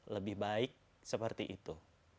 lebih baik seperti itu